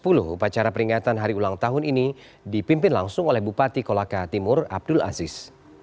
upacara peringatan hari ulang tahun ini dipimpin langsung oleh bupati kolaka timur abdul aziz